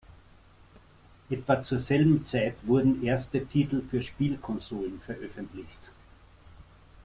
Etwa zur selben Zeit wurden erste Titel für Spielkonsolen veröffentlicht.